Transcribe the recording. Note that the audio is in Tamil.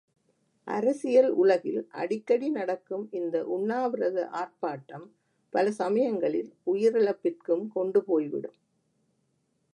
அரசியல் உலகில் அடிக்கடி நடக்கும் இந்த உண்ணாவிரத ஆர்ப்பாட்டம், பல சமயங்களில் உயிரிழப்பிற்கும் கொண்டு போய்விடும்.